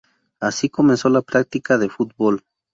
Así, comenzó la práctica de fútbol.